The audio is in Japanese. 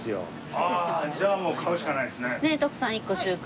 ああじゃあもう買うしかないですね。